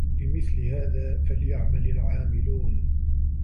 لِمِثلِ هذا فَليَعمَلِ العامِلونَ